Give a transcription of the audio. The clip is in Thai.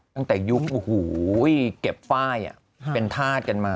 ตั้งแต่ยุคเก็บไฟล์เป็นธาตุกันมา